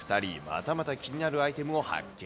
またまた気になるアイテムを発見。